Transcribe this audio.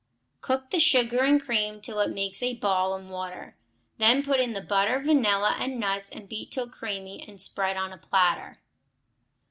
Cook the sugar and cream till it makes a ball in water; then put in the butter, vanilla, and nuts, and beat till creamy and spread on a platter.